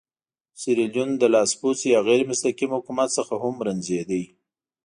سیریلیون له لاسپوڅي یا غیر مستقیم حکومت څخه هم رنځېده.